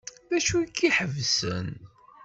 D acu ay k-iḥebsen?